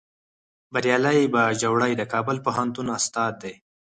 بریالی باجوړی د کابل پوهنتون استاد دی